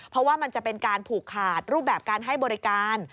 เพราะว่ามันจะเป็นการผูกขาดรูปแบบการให้บริการ